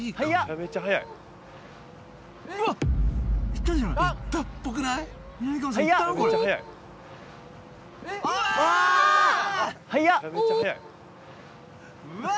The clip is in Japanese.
・めちゃめちゃ速い・うわ！